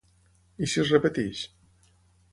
I si es repeteix?